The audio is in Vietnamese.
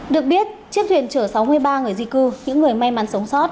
được biết chiếc thuyền chở sáu mươi ba người di cư những người may mắn sống sót